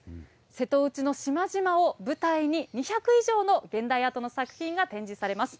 瀬戸内の島々を舞台に、２００以上の現代アートの作品が展示されます。